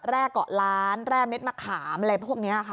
เกาะล้านแร่เม็ดมะขามอะไรพวกนี้ค่ะ